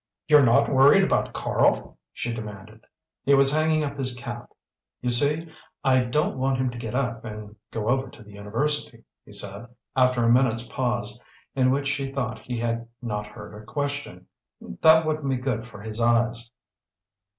"You're not worried about Karl?" she demanded. He was hanging up his cap. "You see, I don't want him to get up and go over to the university," he said, after a minute's pause, in which she thought he had not heard her question. "That wouldn't be good for his eyes."